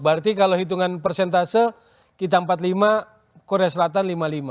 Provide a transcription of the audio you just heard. berarti kalau hitungan persentase kita empat puluh lima korea selatan lima puluh lima